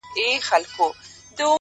زما د ميني ليونيه، ستا خبر نه راځي،